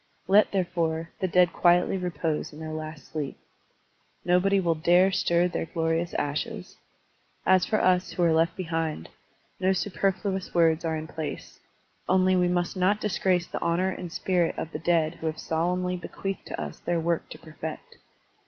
Let, therefore, the dead quietly repose in their last sleep. Nobody will dare stir their glorious ashes. As for us who are left behind, no superfluous words are in place, only we must not disgrace the honor and spirit of the dead who have solemnly bequeathed to us their work to perfect.